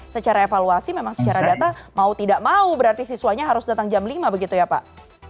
secara evaluasi memang secara data mau tidak mau berarti siswanya harus datang jam lima begitu ya pak